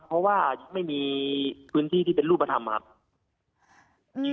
เพราะว่าไม่มีพื้นที่ที่เป็นรูปธรรมครับ